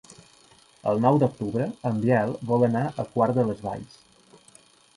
El nou d'octubre en Biel vol anar a Quart de les Valls.